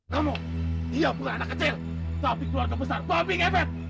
kamu dia bukan anak kecil tapi keluarga besar babi ngepet